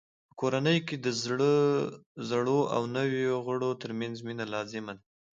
په کورنۍ کې د زړو او نویو غړو ترمنځ مینه لازمه ده.